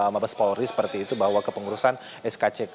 mabes polri seperti itu bahwa kepengurusan skck